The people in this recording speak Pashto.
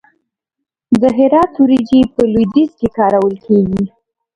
د هرات وریجې په لویدیځ کې کارول کیږي.